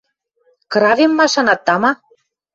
Кравем машанат, тама?